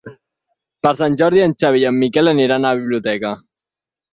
Per Sant Jordi en Xavi i en Miquel aniran a la biblioteca.